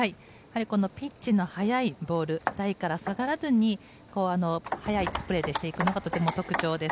ピッチの速いボール、台から下がらずに速いプレーをしていくのが特徴です。